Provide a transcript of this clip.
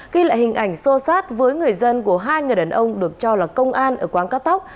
ghi lại hình ảnh sô sát với người dân của hai người đàn ông được cho là công an ở quán cao tốc